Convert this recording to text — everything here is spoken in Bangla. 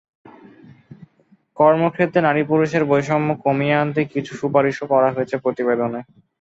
কর্মক্ষেত্রে নারী পুরুষের বৈষম্য কমিয়ে আনতে কিছু সুপারিশও করা হয়েছে প্রতিবেদনে।